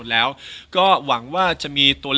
จะรักเธอเพียงคนเดียว